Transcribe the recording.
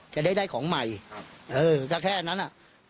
จะได้ได้ของใหม่เออก็แค่นั้นอ่ะ